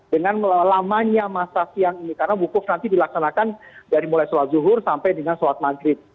dengan lamanya masa siang ini karena wukuf nanti dilaksanakan dari mulai sholat zuhur sampai dengan sholat maghrib